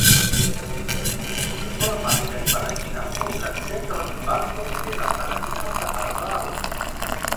Ĝi formas en Palatinato la centran parton de la Palatinata Arbaro.